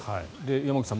山口さん